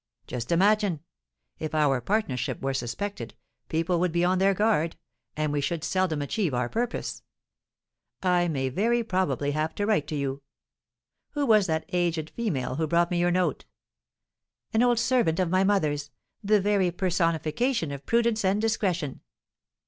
Just imagine! If our partnership were suspected, people would be on their guard, and we should seldom achieve our purpose. I may very probably have to write to you. Who was that aged female who brought me your note?" "An old servant of my mother's, the very personification of prudence and discretion."